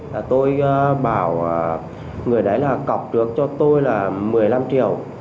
là tôi bảo người đấy là cọc được cho tôi là một mươi năm triệu